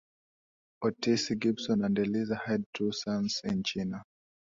Otis Gibson and Eliza had two sons in China.